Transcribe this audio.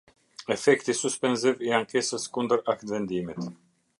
Efekti suspenziv i ankesës kundër aktvendimit.